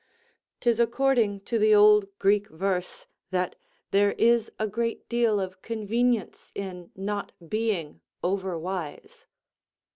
'Tis according to the old Greek verse, that "there is a great deal of convenience in not being over wise."